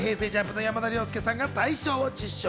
ＪＵＭＰの山田涼介さんが大賞を受賞。